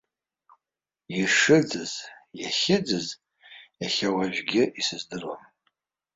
Ишыӡыз, иахьыӡыз, иахьа уажәгьы исыздыруам.